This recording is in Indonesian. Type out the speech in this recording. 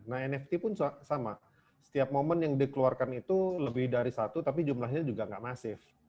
nah nft pun sama setiap momen yang dikeluarkan itu lebih dari satu tapi jumlahnya juga nggak masif